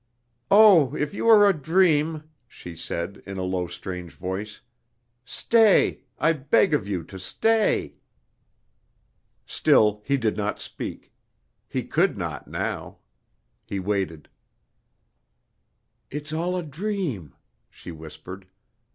"Oh, if you are a dream," she said, in a low, strange voice, "stay! I beg of you to stay." Still he did not speak. He could not, now. He waited. "It's all a dream," she whispered.